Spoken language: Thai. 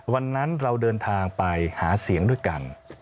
วันนั้นเราเดินทางไปหาเสียงด้วยกัน